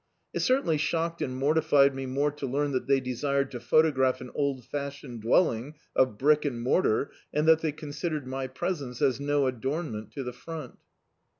It certainly shocked and mortified me more to learn that they desired to photograph an old fashioned dwelling of brick and mortar, and that they considered my presence as no adornment to the front.